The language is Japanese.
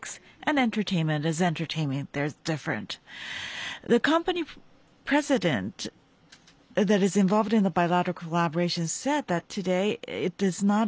そうですね。